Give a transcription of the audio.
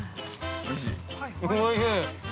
◆おいしい。